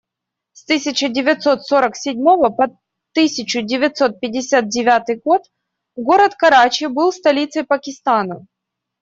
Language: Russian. С тысяча девятьсот сорок седьмого по тысячу девятьсот пятьдесят девятый год город Карачи был столицей Пакистана.